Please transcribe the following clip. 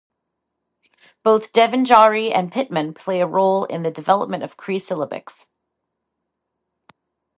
Both Devanagari and Pitman played a role in the development of Cree syllabics.